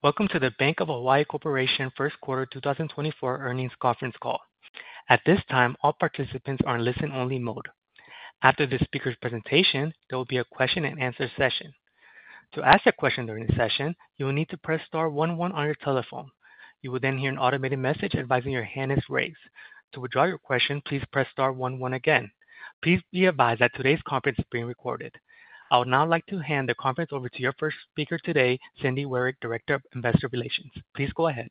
Welcome to the Bank of Hawaii Corporation First Quarter 2024 Earnings Conference Call. At this time, all participants are in listen-only mode. After the speaker's presentation, there will be a question-and-answer session. To ask a question during the session, you will need to press star one one on your telephone. You will then hear an automated message advising your hand is raised. To withdraw your question, please press star one one again. Please be advised that today's conference is being recorded. I would now like to hand the conference over to your first speaker today, Cindy Wyrick, Director of Investor Relations. Please go ahead.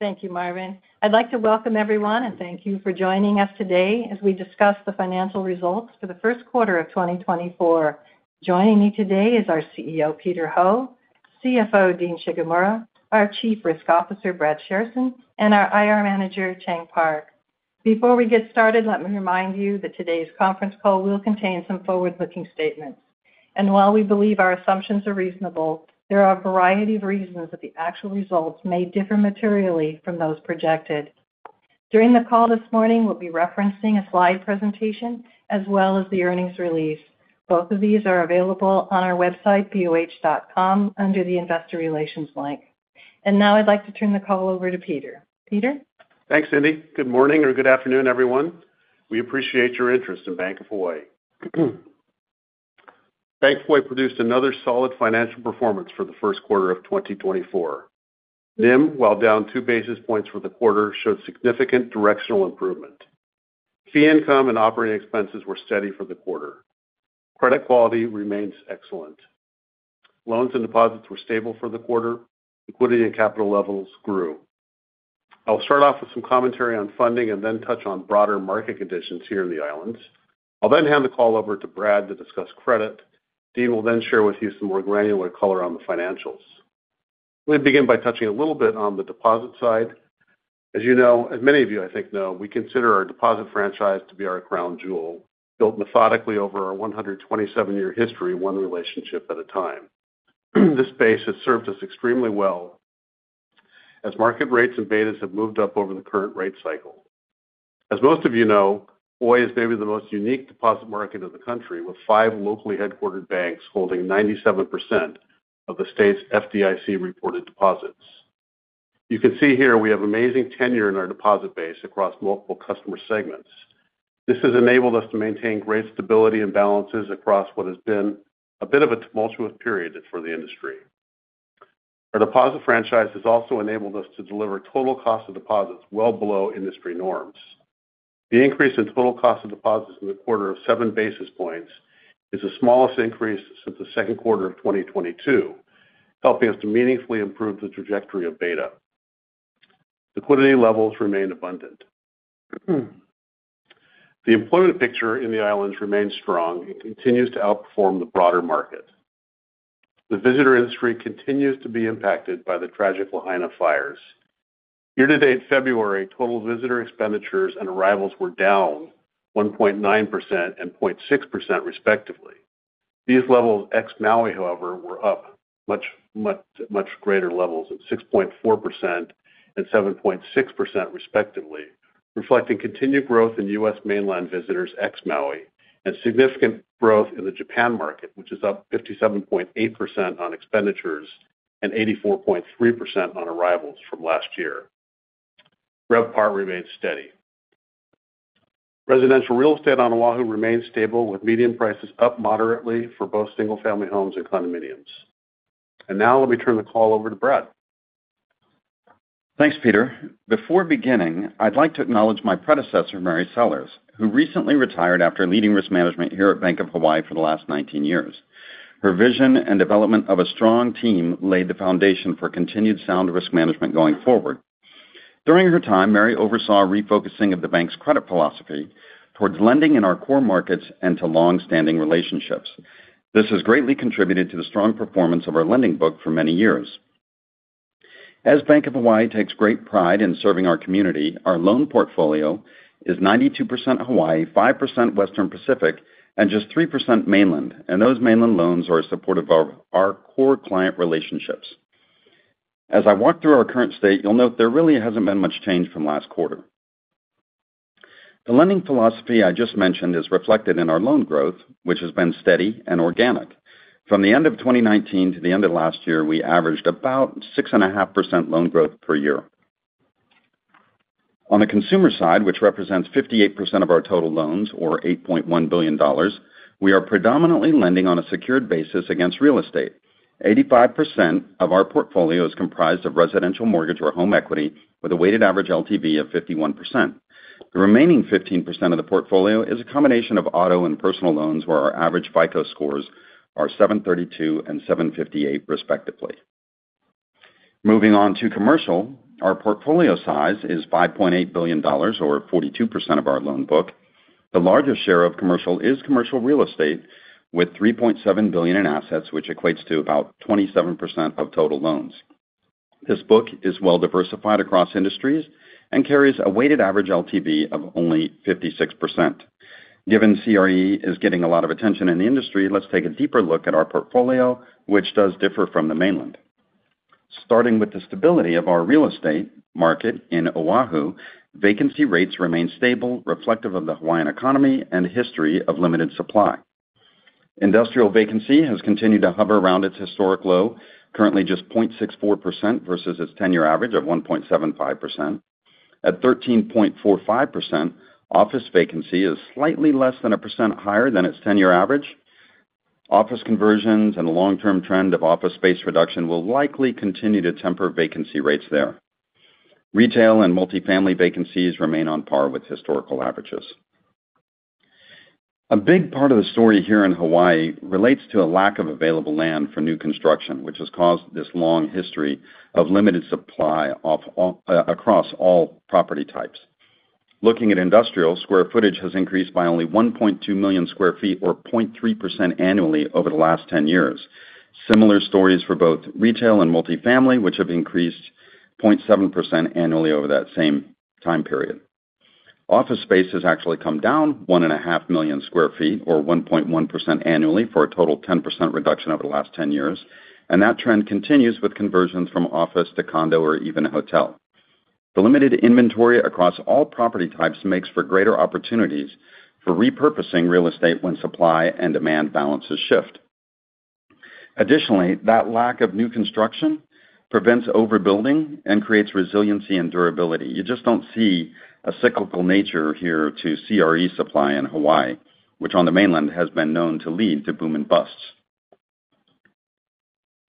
Thank you, Marvin. I'd like to welcome everyone and thank you for joining us today as we discuss the financial results for the first quarter of 2024. Joining me today is our CEO, Peter Ho, CFO, Dean Shigemura, our Chief Risk Officer, Brad Shairson, and our IR Manager, Chang Park. Before we get started, let me remind you that today's conference call will contain some forward-looking statements. While we believe our assumptions are reasonable, there are a variety of reasons that the actual results may differ materially from those projected. During the call this morning, we'll be referencing a slide presentation as well as the earnings release. Both of these are available on our website, boh.com, under the Investor Relations link. Now I'd like to turn the call over to Peter. Peter? Thanks, Cindy. Good morning or good afternoon, everyone. We appreciate your interest in Bank of Hawaii. Bank of Hawaii produced another solid financial performance for the first quarter of 2024. NIM, while down two basis points for the quarter, showed significant directional improvement. Fee income and operating expenses were steady for the quarter. Credit quality remains excellent. Loans and deposits were stable for the quarter. Equity and capital levels grew. I'll start off with some commentary on funding and then touch on broader market conditions here in the islands. I'll then hand the call over to Brad to discuss credit. Dean will then share with you some more granular color on the financials. Let me begin by touching a little bit on the deposit side. As you know, as many of you, I think, know, we consider our deposit franchise to be our crown jewel, built methodically over our 127-year history, one relationship at a time. This base has served us extremely well as market rates and beta have moved up over the current rate cycle. As most of you know, Hawaii is maybe the most unique deposit market in the country, with 5 locally headquartered banks holding 97% of the state's FDIC-reported deposits. You can see here we have amazing tenure in our deposit base across multiple customer segments. This has enabled us to maintain great stability and balances across what has been a bit of a tumultuous period for the industry. Our deposit franchise has also enabled us to deliver total cost of deposits well below industry norms. The increase in total cost of deposits in the quarter of seven basis points is the smallest increase since the second quarter of 2022, helping us to meaningfully improve the trajectory of beta. Liquidity levels remain abundant. The employment picture in the islands remains strong and continues to outperform the broader market. The visitor industry continues to be impacted by the tragic Lahaina fires. Year-to-date February, total visitor expenditures and arrivals were down 1.9% and 0.6%, respectively. These levels ex-Maui, however, were up much, much, much greater levels at 6.4% and 7.6%, respectively, reflecting continued growth in U.S. mainland visitors ex-Maui and significant growth in the Japan market, which is up 57.8% on expenditures and 84.3% on arrivals from last year. RevPAR remains steady. Residential real estate on Oahu remains stable, with median prices up moderately for both single-family homes and condominiums. Now let me turn the call over to Brad. Thanks, Peter. Before beginning, I'd like to acknowledge my predecessor, Mary Sellers, who recently retired after leading risk management here at Bank of Hawaii for the last 19 years. Her vision and development of a strong team laid the foundation for continued sound risk management going forward. During her time, Mary oversaw refocusing of the bank's credit philosophy towards lending in our core markets and to long-standing relationships. This has greatly contributed to the strong performance of our lending book for many years. As Bank of Hawaii takes great pride in serving our community, our loan portfolio is 92% Hawaii, 5% Western Pacific, and just 3% mainland, and those mainland loans are supportive of our core client relationships. As I walk through our current state, you'll note there really hasn't been much change from last quarter. The lending philosophy I just mentioned is reflected in our loan growth, which has been steady and organic. From the end of 2019 to the end of last year, we averaged about 6.5% loan growth per year. On the consumer side, which represents 58% of our total loans or $8.1 billion, we are predominantly lending on a secured basis against real estate. 85% of our portfolio is comprised of residential mortgage or home equity, with a weighted average LTV of 51%. The remaining 15% of the portfolio is a combination of auto and personal loans, where our average FICO scores are 732 and 758, respectively. Moving on to commercial, our portfolio size is $5.8 billion or 42% of our loan book. The largest share of commercial is commercial real estate, with $3.7 billion in assets, which equates to about 27% of total loans. This book is well-diversified across industries and carries a weighted average LTV of only 56%. Given CRE is getting a lot of attention in the industry, let's take a deeper look at our portfolio, which does differ from the mainland. Starting with the stability of our real estate market in Oahu, vacancy rates remain stable, reflective of the Hawaiian economy and history of limited supply. Industrial vacancy has continued to hover around its historic low, currently just 0.64% versus its ten-year average of 1.75%. At 13.45%, office vacancy is slightly less than a percent higher than its ten-year average. Office conversions and a long-term trend of office space reduction will likely continue to temper vacancy rates there. Retail and multifamily vacancies remain on par with historical averages. A big part of the story here in Hawaii relates to a lack of available land for new construction, which has caused this long history of limited supply across all property types. Looking at industrial, square footage has increased by only 1.2 million sq ft or 0.3% annually over the last 10 years. Similar stories for both retail and multifamily, which have increased 0.7% annually over that same time period. Office space has actually come down 1.5 million sq ft or 1.1% annually for a total 10% reduction over the last 10 years, and that trend continues with conversions from office to condo or even hotel. The limited inventory across all property types makes for greater opportunities for repurposing real estate when supply and demand balances shift. Additionally, that lack of new construction prevents overbuilding and creates resiliency and durability. You just don't see a cyclical nature here to CRE supply in Hawaii, which on the mainland has been known to lead to boom and busts.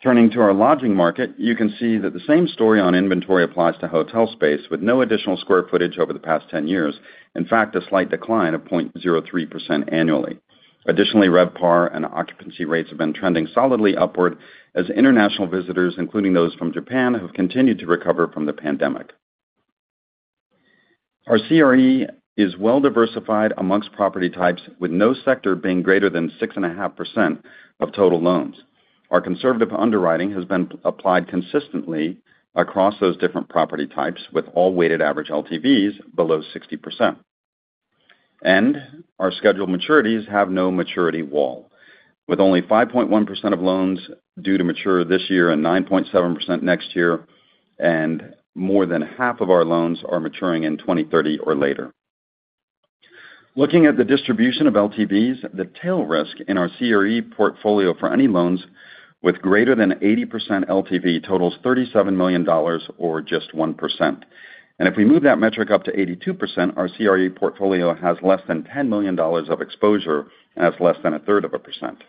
Turning to our lodging market, you can see that the same story on inventory applies to hotel space, with no additional square footage over the past 10 years, in fact, a slight decline of 0.03% annually. Additionally, RevPAR and occupancy rates have been trending solidly upward as international visitors, including those from Japan, have continued to recover from the pandemic. Our CRE is well-diversified among property types, with no sector being greater than 6.5% of total loans. Our conservative underwriting has been applied consistently across those different property types, with all weighted average LTVs below 60%. Our scheduled maturities have no maturity wall, with only 5.1% of loans due to mature this year and 9.7% next year, and more than half of our loans are maturing in 2030 or later. Looking at the distribution of LTVs, the tail risk in our CRE portfolio for any loans with greater than 80% LTV totals $37 million or just 1%. If we move that metric up to 82%, our CRE portfolio has less than $10 million of exposure and has less than a third of a percent.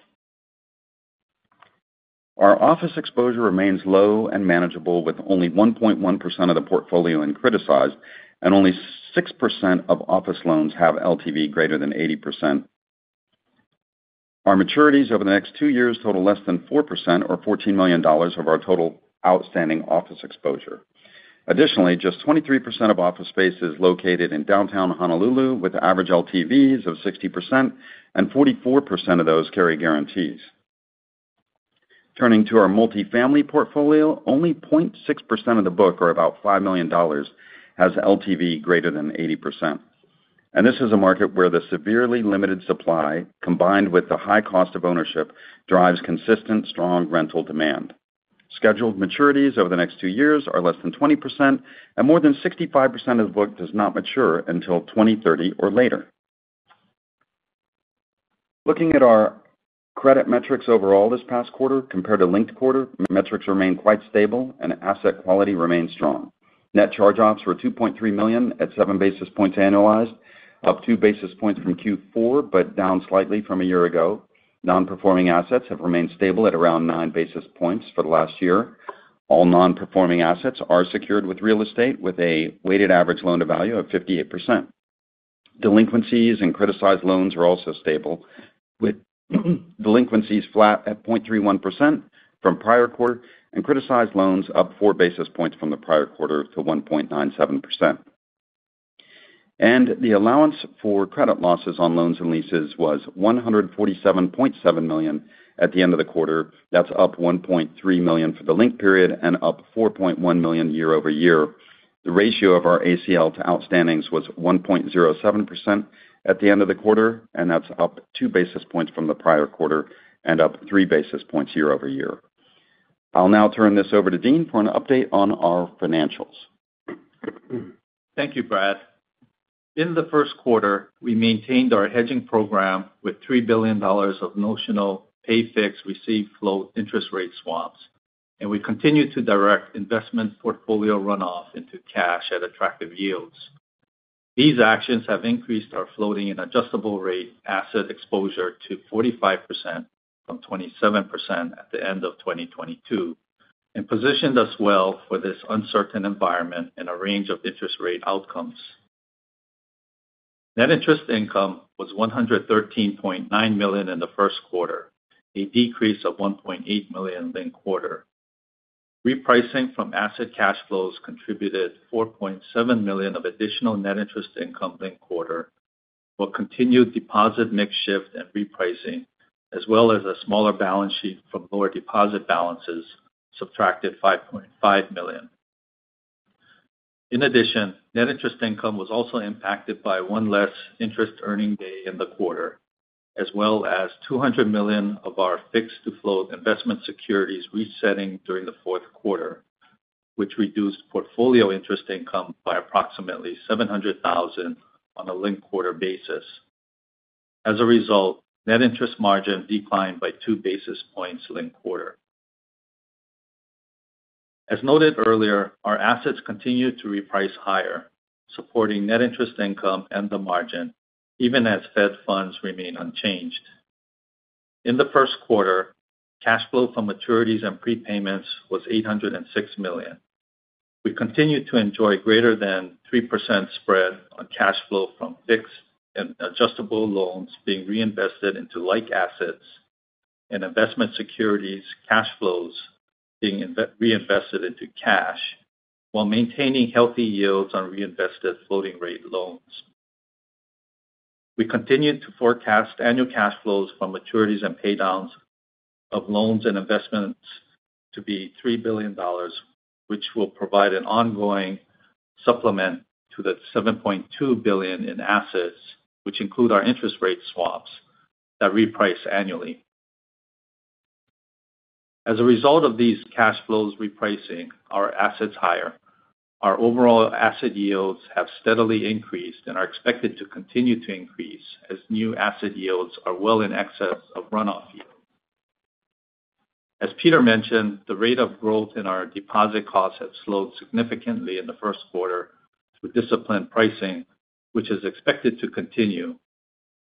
Our office exposure remains low and manageable, with only 1.1% of the portfolio in criticized, and only 6% of office loans have LTV greater than 80%. Our maturities over the next two years total less than 4% or $14 million of our total outstanding office exposure. Additionally, just 23% of office space is located in downtown Honolulu, with average LTVs of 60%, and 44% of those carry guarantees. Turning to our multifamily portfolio, only 0.6% of the book, or about $5 million, has LTV greater than 80%. This is a market where the severely limited supply, combined with the high cost of ownership, drives consistent, strong rental demand. Scheduled maturities over the next two years are less than 20%, and more than 65% of the book does not mature until 2030 or later. Looking at our credit metrics overall this past quarter, compared to linked quarter, metrics remain quite stable, and asset quality remains strong. Net charge-offs were $2.3 million at 7 basis points annualized, up 2 basis points from Q4 but down slightly from a year ago. Non-performing assets have remained stable at around 9 basis points for the last year. All non-performing assets are secured with real estate, with a weighted average loan to value of 58%. Delinquencies and criticized loans are also stable, with delinquencies flat at 0.31% from prior quarter and criticized loans up 4 basis points from the prior quarter to 1.97%. The allowance for credit losses on loans and leases was $147.7 million at the end of the quarter. That's up $1.3 million for the linked period and up $4.1 million year-over-year. The ratio of our ACL to outstandings was 1.07% at the end of the quarter, and that's up 2 basis points from the prior quarter and up 3 basis points year-over-year. I'll now turn this over to Dean for an update on our financials. Thank you, Brad. In the first quarter, we maintained our hedging program with $3 billion of notional pay fixed receive float interest rate swaps, and we continue to direct investment portfolio runoff into cash at attractive yields. These actions have increased our floating and adjustable rate asset exposure to 45% from 27% at the end of 2022 and positioned us well for this uncertain environment and a range of interest rate outcomes. Net interest income was $113.9 million in the first quarter, a decrease of $1.8 million linked quarter. Repricing from asset cash flows contributed $4.7 million of additional net interest income linked quarter, while continued deposit mix shift and repricing, as well as a smaller balance sheet from lower deposit balances subtracted $5.5 million. In addition, net interest income was also impacted by one less interest earning day in the quarter, as well as $200 million of our fixed to float investment securities resetting during the fourth quarter, which reduced portfolio interest income by approximately $700,000 on a linked quarter basis. As a result, net interest margin declined by 2 basis points linked quarter. As noted earlier, our assets continue to reprice higher, supporting net interest income and the margin, even as Fed funds remain unchanged. In the first quarter, cash flow from maturities and prepayments was $806 million. We continue to enjoy greater than 3% spread on cash flow from fixed and adjustable loans being reinvested into like assets and investment securities cash flows being reinvested into cash, while maintaining healthy yields on reinvested floating rate loans. We continue to forecast annual cash flows from maturities and paydowns of loans and investments to be $3 billion, which will provide an ongoing supplement to the $7.2 billion in assets, which include our interest rate swaps that reprice annually. As a result of these cash flows repricing, our assets higher. Our overall asset yields have steadily increased and are expected to continue to increase as new asset yields are well in excess of runoff yield. As Peter mentioned, the rate of growth in our deposit costs has slowed significantly in the first quarter through disciplined pricing, which is expected to continue,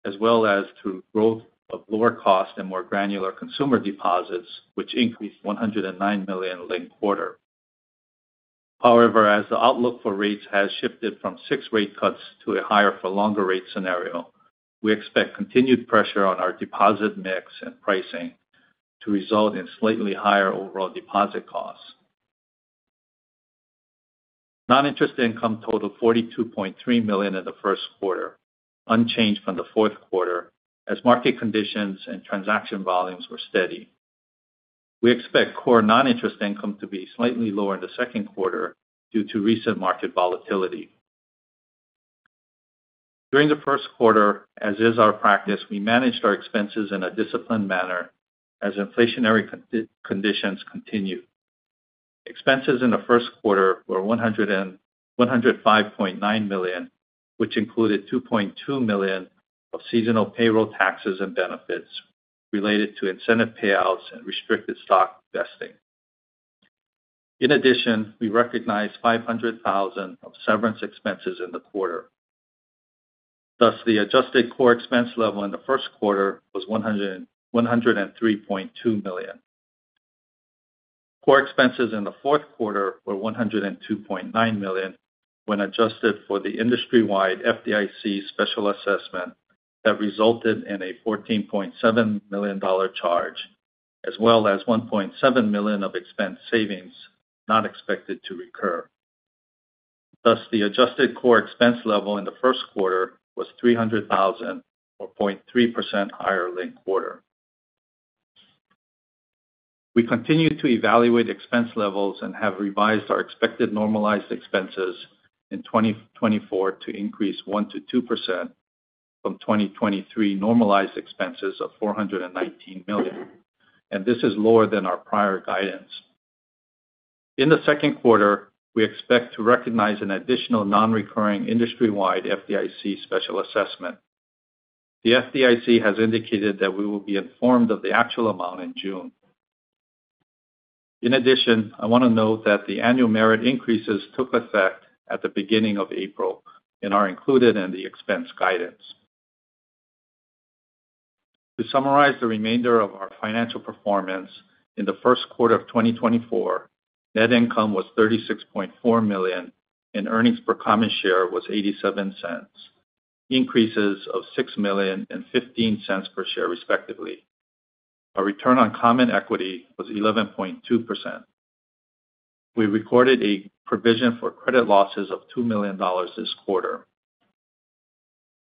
as well as through growth of lower cost and more granular consumer deposits, which increased $109 million linked quarter. However, as the outlook for rates has shifted from six rate cuts to a higher-for-longer rate scenario, we expect continued pressure on our deposit mix and pricing to result in slightly higher overall deposit costs. Non-interest income totaled $42.3 million in the first quarter, unchanged from the fourth quarter, as market conditions and transaction volumes were steady. We expect core non-interest income to be slightly lower in the second quarter due to recent market volatility. During the first quarter, as is our practice, we managed our expenses in a disciplined manner as inflationary conditions continued. Expenses in the first quarter were $105.9 million, which included $2.2 million of seasonal payroll taxes and benefits related to incentive payouts and restricted stock vesting. In addition, we recognized $500,000 of severance expenses in the quarter. Thus, the adjusted core expense level in the first quarter was $103.2 million. Core expenses in the fourth quarter were $102.9 million when adjusted for the industry-wide FDIC special assessment that resulted in a $14.7 million charge, as well as $1.7 million of expense savings not expected to recur. Thus, the adjusted core expense level in the first quarter was $300,000 or 0.3% higher linked quarter. We continue to evaluate expense levels and have revised our expected normalized expenses in 2024 to increase 1%-2% from 2023 normalized expenses of $419 million, and this is lower than our prior guidance. In the second quarter, we expect to recognize an additional non-recurring industry-wide FDIC special assessment. The FDIC has indicated that we will be informed of the actual amount in June. In addition, I want to note that the annual merit increases took effect at the beginning of April and are included in the expense guidance. To summarize the remainder of our financial performance, in the first quarter of 2024, net income was $36.4 million and earnings per common share was $0.87, increases of $6 million and $0.15 per share respectively. Our return on common equity was 11.2%. We recorded a provision for credit losses of $2 million this quarter.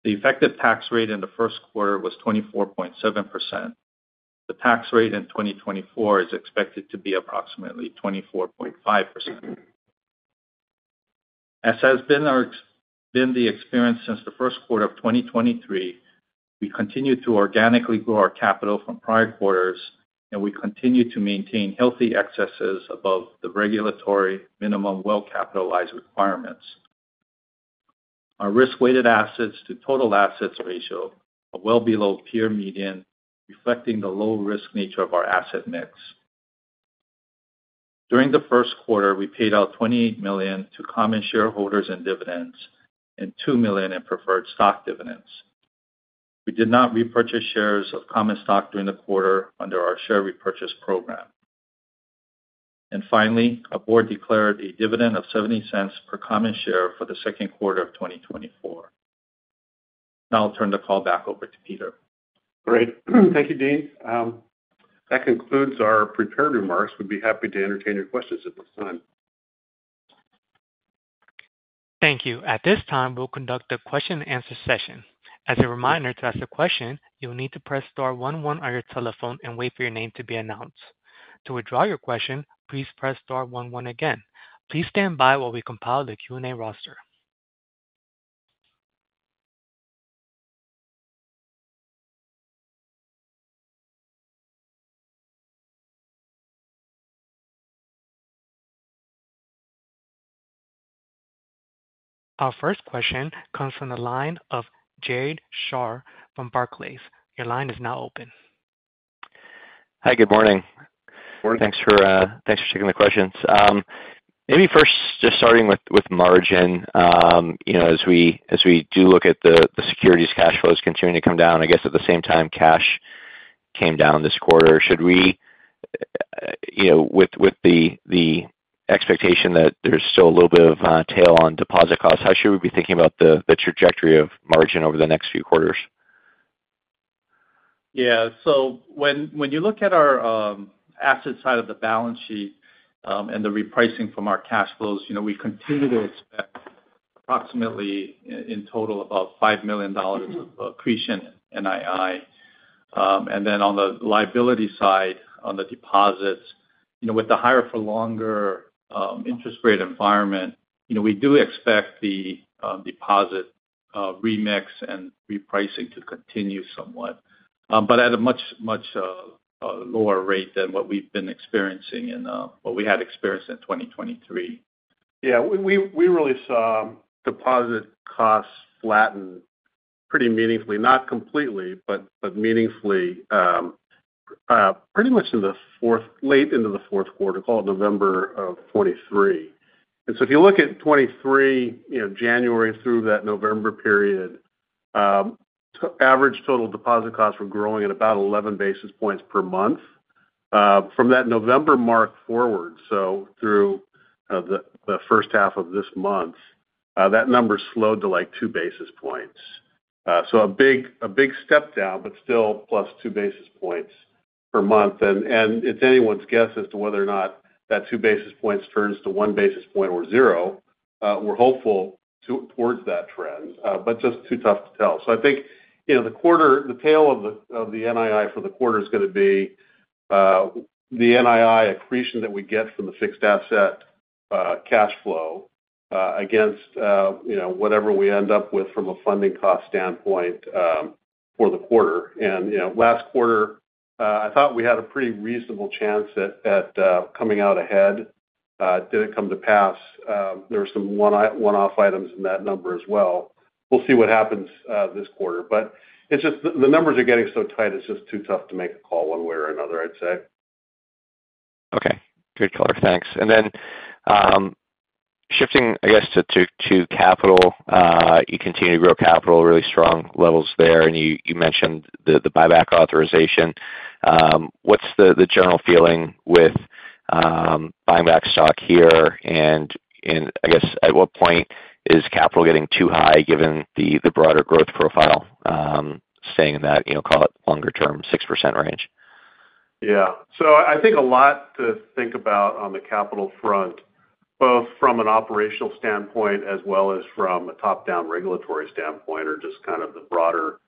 The effective tax rate in the first quarter was 24.7%. The tax rate in 2024 is expected to be approximately 24.5%. As has been the experience since the first quarter of 2023, we continue to organically grow our capital from prior quarters, and we continue to maintain healthy excesses above the regulatory minimum well-capitalized requirements. Our risk-weighted assets to total assets ratio are well below peer median, reflecting the low-risk nature of our asset mix. During the first quarter, we paid out $28 million to common shareholders in dividends and $2 million in preferred stock dividends. We did not repurchase shares of common stock during the quarter under our share repurchase program. And finally, the board declared a dividend of $0.70 per common share for the second quarter of 2024. Now I'll turn the call back over to Peter. Great. Thank you, Dean. That concludes our prepared remarks. We'd be happy to entertain your questions at this time. Thank you. At this time, we'll conduct a question-and-answer session. As a reminder to ask a question, you'll need to press star one one on your telephone and wait for your name to be announced. To withdraw your question, please press star one one again. Please stand by while we compile the Q&A roster. Our first question comes from the line of Jared Shaw from Barclays. Your line is now open. Hi. Good morning. Thanks for taking the questions. Maybe first, just starting with margin, as we do look at the securities cash flows continuing to come down, I guess at the same time cash came down this quarter, should we, with the expectation that there's still a little bit of tail on deposit costs, how should we be thinking about the trajectory of margin over the next few quarters? Yeah. So when you look at our asset side of the balance sheet and the repricing from our cash flows, we continue to expect approximately in total about $5 million of accretion NII. And then on the liability side, on the deposits, with the higher-for-longer interest rate environment, we do expect the deposit remix and repricing to continue somewhat, but at a much lower rate than what we've been experiencing and what we had experienced in 2023. Yeah. We really saw deposit costs flatten pretty meaningfully, not completely, but meaningfully, pretty much late into the fourth quarter, call it November of 2023. And so if you look at 2023, January through that November period, average total deposit costs were growing at about 11 basis points per month. From that November mark forward, so through the first half of this month, that number slowed to 2 basis points. So a big step down, but still plus 2 basis points per month. And it's anyone's guess as to whether or not that 2 basis points turns to 1 basis point or 0. We're hopeful towards that trend, but just too tough to tell. So I think the tail of the NII for the quarter is going to be the NII accretion that we get from the fixed asset cash flow against whatever we end up with from a funding cost standpoint for the quarter. And last quarter, I thought we had a pretty reasonable chance at coming out ahead. Did it come to pass? There were some one-off items in that number as well. We'll see what happens this quarter. But the numbers are getting so tight, it's just too tough to make a call one way or another, I'd say. Okay. Good color. Thanks. And then shifting, I guess, to capital, you continue to grow capital really strong levels there, and you mentioned the buyback authorization. What's the general feeling with buying back stock here? And I guess at what point is capital getting too high given the broader growth profile, staying in that, call it longer-term, 6% range? Yeah. So I think a lot to think about on the capital front, both from an operational standpoint as well as from a top-down regulatory standpoint or just kind of the broader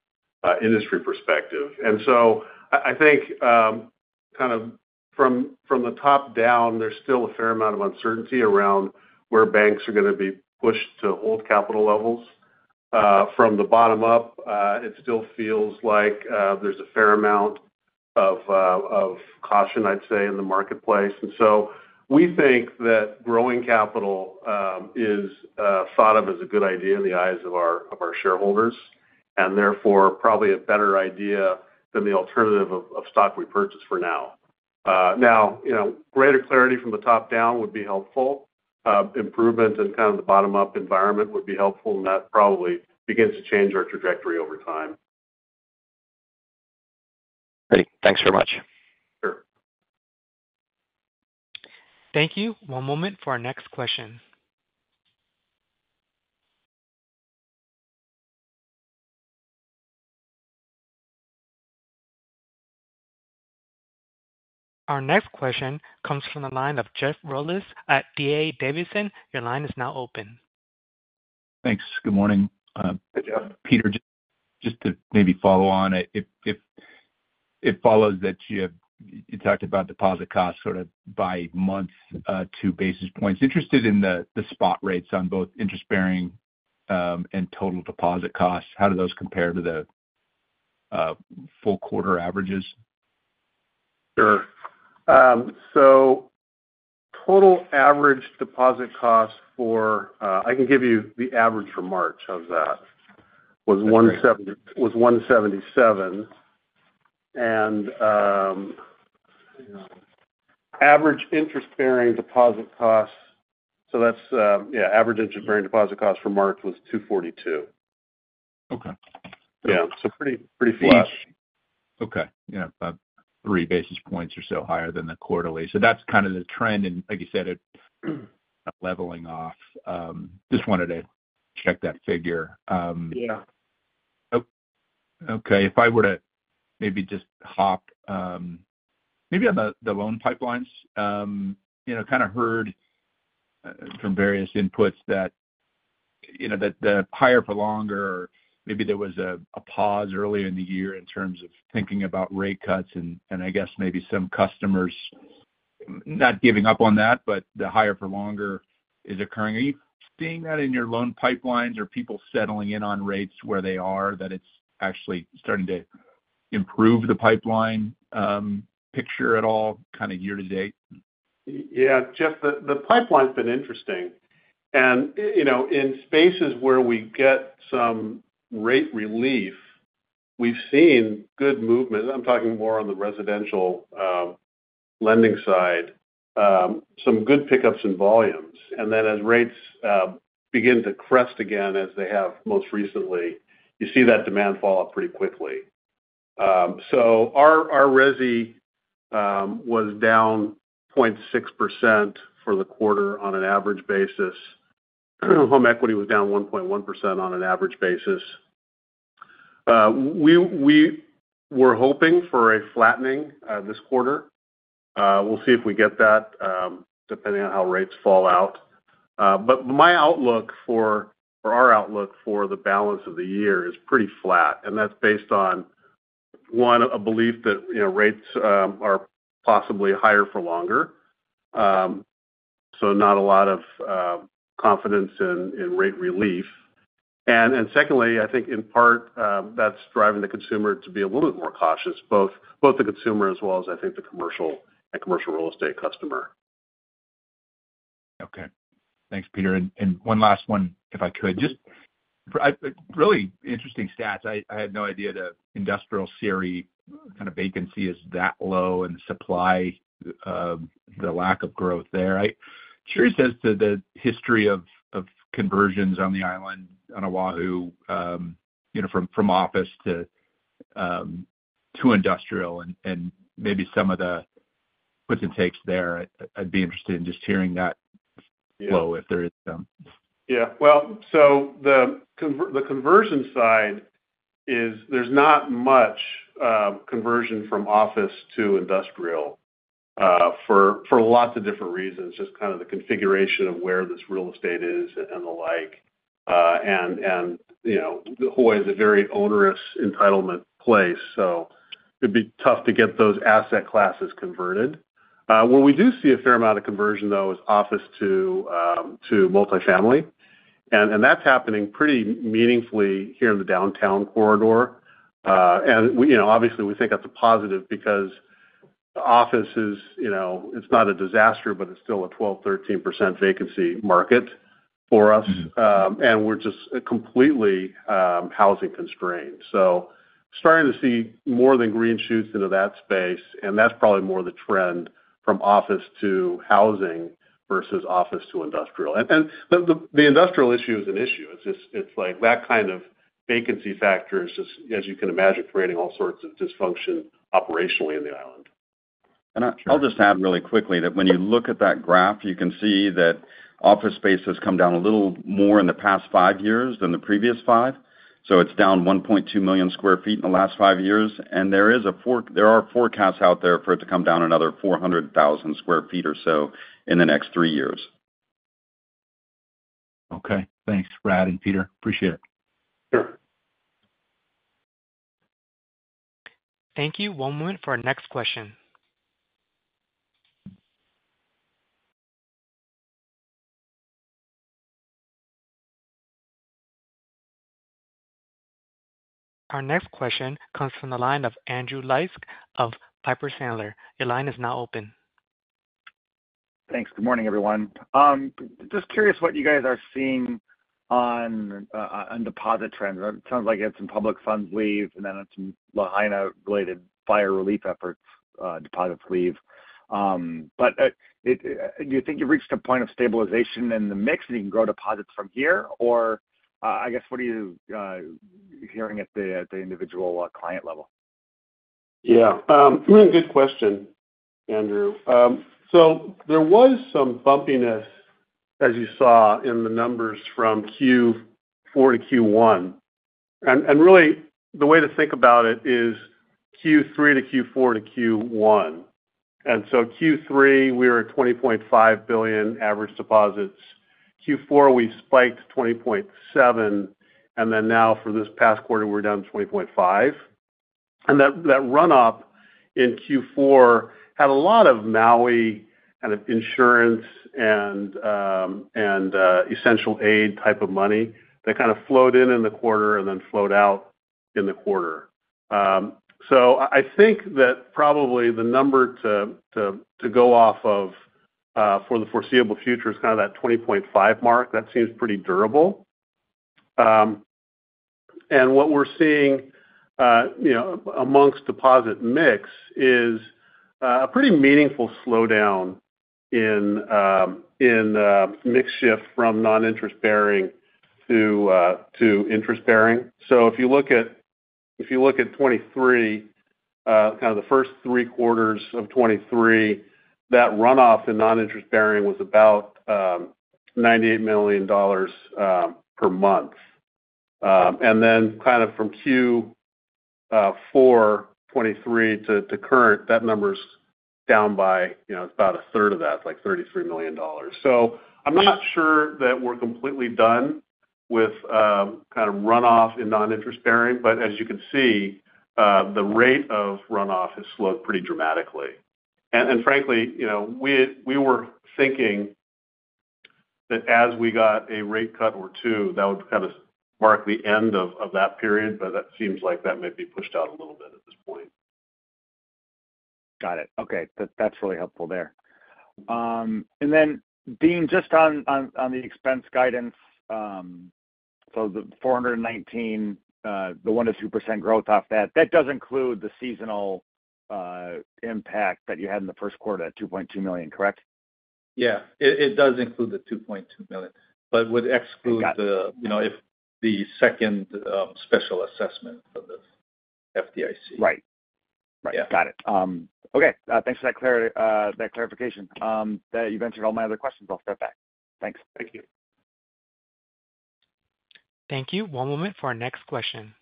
industry perspective. And so I think kind of from the top down, there's still a fair amount of uncertainty around where banks are going to be pushed to hold capital levels. From the bottom up, it still feels like there's a fair amount of caution, I'd say, in the marketplace. And so we think that growing capital is thought of as a good idea in the eyes of our shareholders and therefore probably a better idea than the alternative of stock repurchase for now. Now, greater clarity from the top down would be helpful. Improvement in kind of the bottom-up environment would be helpful, and that probably begins to change our trajectory over time. Great. Thanks very much. Sure. Thank you. One moment for our next question. Our next question comes from the line of Jeff Rulis at D.A. Davidson. Your line is now open. Thanks. Good morning. Hi, Jeff. Peter, just to maybe follow on, it follows that you talked about deposit costs sort of by month, 2 basis points. Interested in the spot rates on both interest-bearing and total deposit costs. How do those compare to the full quarter averages? Sure. So total average deposit costs, for I can give you the average for March of that, was 177. And average interest-bearing deposit costs, so yeah, average interest-bearing deposit costs for March was 242. Yeah. So pretty flat. Okay. Yeah. About three basis points or so higher than the quarterly. So that's kind of the trend. And like you said, it's leveling off. Just wanted to check that figure. Yeah. Okay. If I were to maybe just hop maybe on the loan pipelines, kind of heard from various inputs that the higher-for-longer or maybe there was a pause earlier in the year in terms of thinking about rate cuts and I guess maybe some customers not giving up on that, but the higher-for-longer is occurring. Are you seeing that in your loan pipelines or people settling in on rates where they are, that it's actually starting to improve the pipeline picture at all kind of year-to-date? Yeah. Jeff, the pipeline's been interesting. And in spaces where we get some rate relief, we've seen good movement. I'm talking more on the residential lending side, some good pickups in volumes. And then as rates begin to crest again, as they have most recently, you see that demand fall off pretty quickly. So our resi was down 0.6% for the quarter on an average basis. Home equity was down 1.1% on an average basis. We were hoping for a flattening this quarter. We'll see if we get that depending on how rates fall out. But my outlook for our outlook for the balance of the year is pretty flat. And that's based on, one, a belief that rates are possibly higher for longer. So not a lot of confidence in rate relief. And secondly, I think in part, that's driving the consumer to be a little bit more cautious, both the consumer as well as I think the commercial and commercial real estate customer. Okay. Thanks, Peter. And one last one, if I could. Really interesting stats. I had no idea the industrial CRE kind of vacancy is that low and the lack of growth there. Curious as to the history of conversions on the island, on Oahu, from office to industrial and maybe some of the puts and takes there. I'd be interested in just hearing that flow if there is some. Yeah. Well, so the conversion side is there's not much conversion from office to industrial for lots of different reasons, just kind of the configuration of where this real estate is and the like. And Hawaii is a very onerous entitlement place, so it'd be tough to get those asset classes converted. Where we do see a fair amount of conversion, though, is office to multifamily. And that's happening pretty meaningfully here in the downtown corridor. And obviously, we think that's a positive because offices, it's not a disaster, but it's still a 12%-13% vacancy market for us. And we're just completely housing-constrained. So starting to see more than green shoots into that space, and that's probably more the trend from office to housing versus office to industrial. And the industrial issue is an issue. It's like that kind of vacancy factor is just, as you can imagine, creating all sorts of dysfunction operationally in the island. I'll just add really quickly that when you look at that graph, you can see that office space has come down a little more in the past five years than the previous five. So it's down 1.2 million sq ft in the last five years. There are forecasts out there for it to come down another 400,000 sq ft or so in the next three years. Okay. Thanks, Brad and Peter. Appreciate it. Sure. Thank you. One moment for our next question. Our next question comes from the line of Andrew Liesch of Piper Sandler. Your line is now open. Thanks. Good morning, everyone. Just curious what you guys are seeing on deposit trends. It sounds like you had some public funds leave, and then some Lahaina-related fire relief efforts, deposits leave. But do you think you've reached a point of stabilization in the mix, and you can grow deposits from here? Or I guess what are you hearing at the individual client level? Yeah. Really good question, Andrew. So there was some bumpiness, as you saw, in the numbers from Q4 to Q1. And really, the way to think about it is Q3 to Q4 to Q1. And so Q3, we were at $20.5 billion average deposits. Q4, we spiked $20.7 billion. And then now for this past quarter, we're down to $20.5 billion. And that run-up in Q4 had a lot of Maui kind of insurance and essential aid type of money that kind of flowed in in the quarter and then flowed out in the quarter. So I think that probably the number to go off of for the foreseeable future is kind of that $20.5 billion mark. That seems pretty durable. And what we're seeing amongst deposit mix is a pretty meaningful slowdown in mix shift from noninterest-bearing to interest-bearing. So if you look at 2023, kind of the first three quarters of 2023, that run-off in non-interest bearing was about $98 million per month. And then kind of from Q4 2023 to current, that number's down by it's about a third of that, like $33 million. So I'm not sure that we're completely done with kind of run-off in non-interest bearing. But as you can see, the rate of run-off has slowed pretty dramatically. And frankly, we were thinking that as we got a rate cut or two, that would kind of mark the end of that period. But that seems like that may be pushed out a little bit at this point. Got it. Okay. That's really helpful there. And then Dean, just on the expense guidance, so the $419, the 1%-2% growth off that, that does include the seasonal impact that you had in the first quarter at $2.2 million, correct? Yeah. It does include the $2.2 million, but would exclude the second special assessment for the FDIC. Right. Right. Got it. Okay. Thanks for that clarification. You've answered all my other questions. I'll step back. Thanks. Thank you. Thank you. One moment for our next question.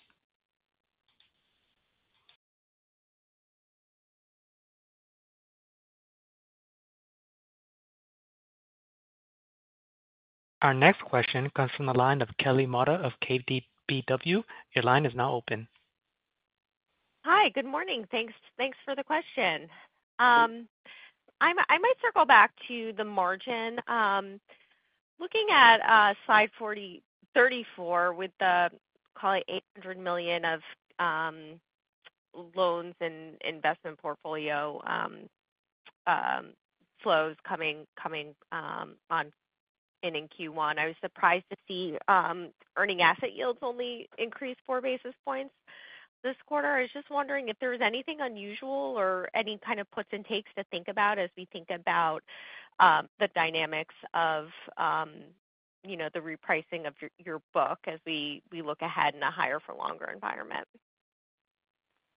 Our next question comes from the line of Kelly Motta of KBW. Your line is now open. Hi. Good morning. Thanks for the question. I might circle back to the margin. Looking at slide 34 with the, call it, $800 million of loans and investment portfolio flows coming in in Q1, I was surprised to see earning asset yields only increase four basis points this quarter. I was just wondering if there was anything unusual or any kind of puts and takes to think about as we think about the dynamics of the repricing of your book as we look ahead in a higher-for-longer environment.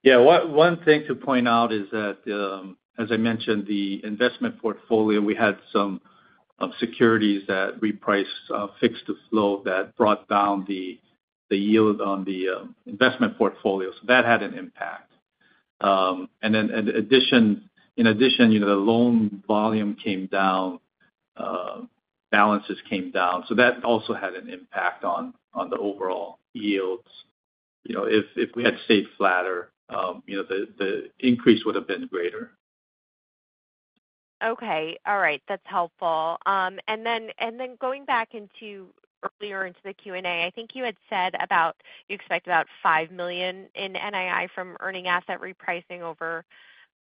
Yeah. One thing to point out is that, as I mentioned, the investment portfolio, we had some securities that repriced fixed-to-flow that brought down the yield on the investment portfolio. So that had an impact. In addition, in addition, the loan volume came down, balances came down. So that also had an impact on the overall yields. If we had stayed flatter, the increase would have been greater. Okay. All right. That's helpful. And then going back earlier into the Q&A, I think you had said about you expect about $5 million in NII from earning asset repricing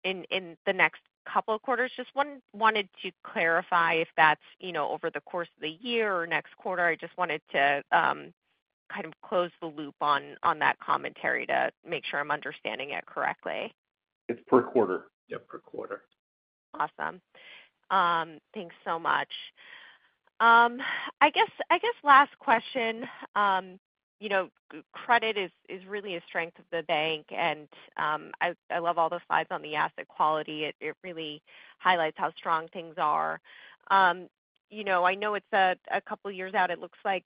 in the next couple of quarters. Just wanted to clarify if that's over the course of the year or next quarter. I just wanted to kind of close the loop on that commentary to make sure I'm understanding it correctly. It's per quarter. Yeah. Per quarter. Awesome. Thanks so much. I guess, last question. Credit is really a strength of the bank. I love all the slides on the asset quality. It really highlights how strong things are. I know it's a couple of years out. It looks like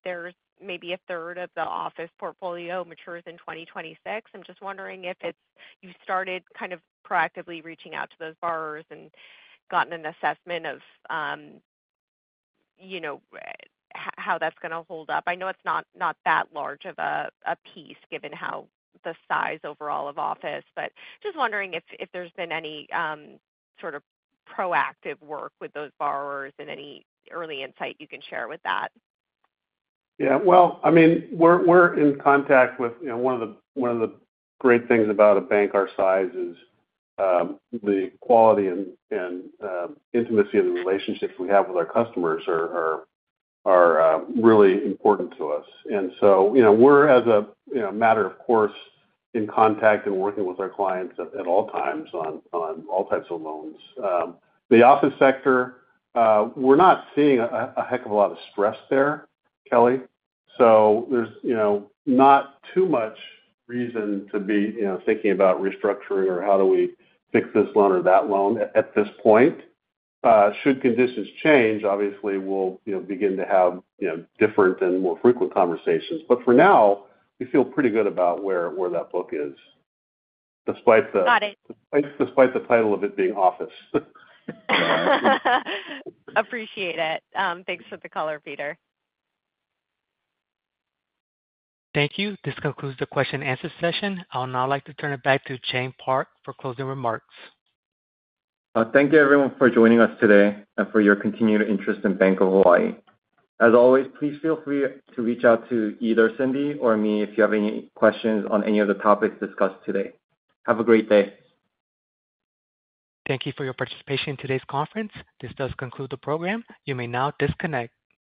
maybe a third of the office portfolio matures in 2026. I'm just wondering if you've started kind of proactively reaching out to those borrowers and gotten an assessment of how that's going to hold up? I know it's not that large of a piece given the size overall of office. Just wondering if there's been any sort of proactive work with those borrowers and any early insight you can share with that? Yeah. Well, I mean, we're in contact with one of the great things about a bank our size: the quality and intimacy of the relationships we have with our customers are really important to us. And so we're, as a matter of course, in contact and working with our clients at all times on all types of loans. The office sector, we're not seeing a heck of a lot of stress there, Kelly. So there's not too much reason to be thinking about restructuring or how do we fix this loan or that loan at this point. Should conditions change, obviously, we'll begin to have different and more frequent conversations. But for now, we feel pretty good about where that book is despite the title of it being office. Appreciate it. Thanks for the caller, Peter. Thank you. This concludes the question-and-answer session. I'll now like to turn it back to Chang Park for closing remarks. Thank you, everyone, for joining us today and for your continued interest in Bank of Hawaii. As always, please feel free to reach out to either Cindy or me if you have any questions on any of the topics discussed today. Have a great day. Thank you for your participation in today's conference. This does conclude the program. You may now disconnect.